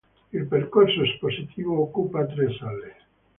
Il percorso espositivo occupa tre sale.